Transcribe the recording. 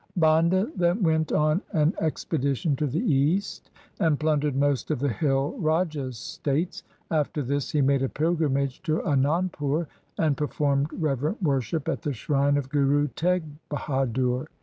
Banda then went on an expedition to the east and plundered most of the hill rajas' states. After this he made a pilgrimage to Anandpur, and per formed reverent worship at the shrine of Guru Teg Bahadur.